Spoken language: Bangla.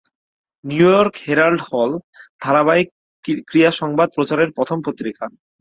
নিউইয়র্ক হেরাল্ড হ'ল ধারাবাহিক ক্রীড়া সংবাদ প্রচারের প্রথম পত্রিকা।